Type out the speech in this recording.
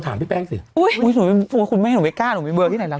พี่แป้งสิคุณแม่หนูไม่กล้าหนูมีเบอร์ที่ไหนนะ